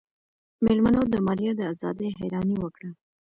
مېلمنو د ماريا د ازادۍ حيراني وکړه.